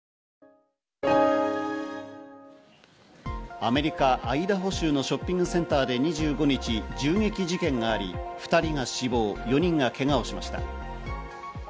アメリカ・アイダホ州のショッピングセンターで２５日、銃撃事件があり、２人が死亡、４人がけがをしました。